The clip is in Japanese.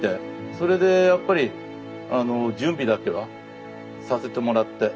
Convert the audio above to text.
それでやっぱり準備だけはさせてもらって。